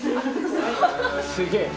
すげえ。